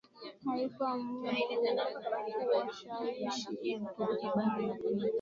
haikuwa ngumu kuwashawishi abiria wa meli hiyo